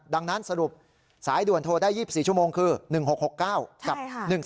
ดังนั้นสรุปสายด่วนโทรได้๒๔ชั่วโมงคือ๑๖๖๙กับ๑๓